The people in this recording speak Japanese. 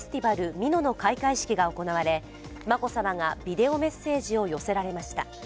美濃の開会式が行われ、眞子さまがビデオメッセージを寄せられました。